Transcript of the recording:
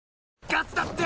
ガスだって！